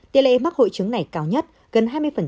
tỷ lệ mắc hội chứng này cao nhất gần hai mươi